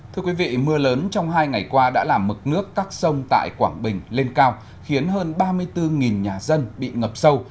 thưa quý vị mưa lớn trong hai ngày qua đã làm mực nước các sông tại quảng bình lên cao khiến hơn ba mươi bốn nhà dân bị ngập sâu